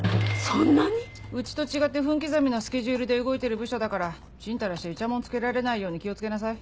そんなに⁉うちと違って分刻みのスケジュールで動いてる部署だからちんたらしていちゃもんつけられないように気を付けなさい。